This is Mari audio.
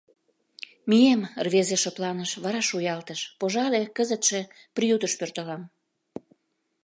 Мием, рвезе шыпланыш, вара шуялтыш: — Пожале, кызытше приютыш пӧртылам.